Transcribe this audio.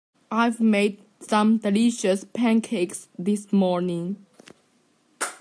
I've made some delicious pancakes this morning.